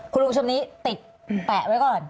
คุณลุงชมนี้ติดแปะไว้ก่อน